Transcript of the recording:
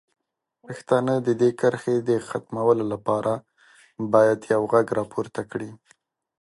پښتانه د دې کرښې د ختمولو لپاره باید یو غږ راپورته کړي.